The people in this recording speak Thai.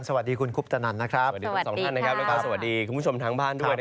สวัสดีคุณคุ๊บตะนัน